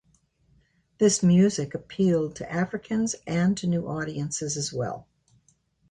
This music appealed to Africans and to new audiences as well.